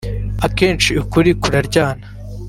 Akenshi ukuri kuraryana